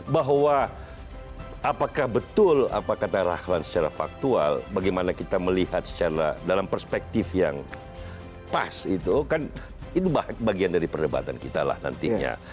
bahwa apakah betul apa kata rahlan secara faktual bagaimana kita melihat secara dalam perspektif yang pas itu kan itu bagian dari perdebatan kita lah nantinya